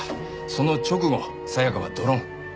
その直後さやかはドロン。